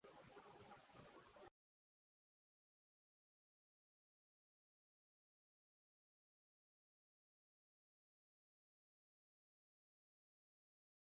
বাইনারির রূপ প্রকৃতির সমস্ত কিছুতেই বিদ্যমান!